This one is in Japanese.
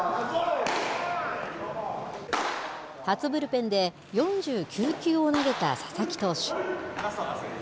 初ブルペンで４９球を投げた佐々木投手。